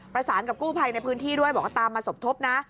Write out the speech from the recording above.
ประสานกับกู้ภัยในพื้นที่ด้วยบอกว่าตามมาสมทบนะ